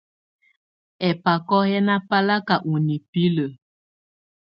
Ɛ́bakɔ́ yɛ́ ná báláká ɔ́ nibilǝ́.